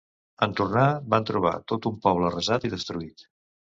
En tornar, van trobar tot un poble arrasat i destruït.